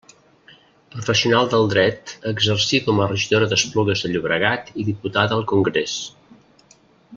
Professional del Dret, exercí com a regidora d'Esplugues de Llobregat i diputada al Congrés.